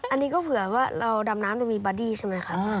อันนี้ก็เผื่อว่าเราดำน้ำเรามีบาร์ดี้ใช่ไหมคะ